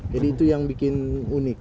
jadi itu yang bikin unik